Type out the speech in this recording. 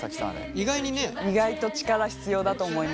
意外と力必要だと思います。